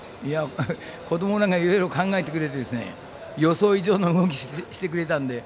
子どもらがいろいろ考えてくれて予想以上の動きをしてくれたので。